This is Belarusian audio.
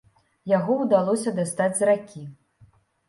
Яго ўдалося дастаць з ракі.